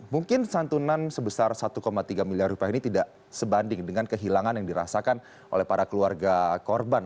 mungkin santunan sebesar satu tiga miliar rupiah ini tidak sebanding dengan kehilangan yang dirasakan oleh para keluarga korban